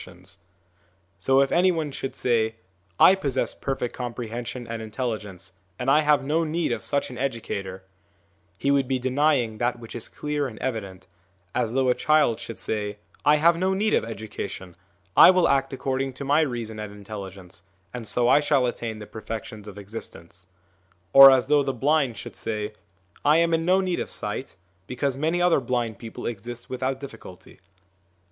So 10 SOME ANSWERED QUESTIONS if any one should say, ' I possess perfect comprehension and intelligence, and I have no need of such an educator/ he would be denying that which is clear and evident, as though a child should say, ' I have no need of education ; I will act according to my reason and intelligence, and so I shall attain the perfections of existence '; or as though the blind should say, ' I am in no need of sight, because many other blind people exist without difficulty.'